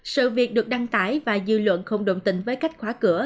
sự việc được đăng tải và dư luận không đồng tình với cách khóa cửa